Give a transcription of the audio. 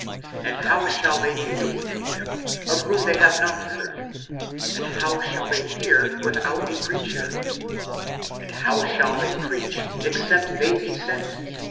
and how shall they believe in him of whom they have not heard? and how shall they hear without a preacher? 45:010:015 And how shall they preach, except they be sent?